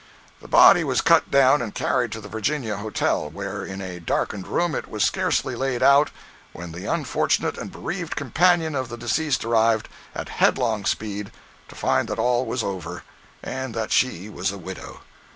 The body was cut down and carried to the Virginia Hotel, where, in a darkened room, it was scarcely laid out, when the unfortunate and bereaved companion of the deceased arrived, at headlong speed, to find that all was over, and that she was a widow.